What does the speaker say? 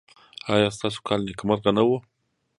ایا ستاسو کال نیکمرغه نه و؟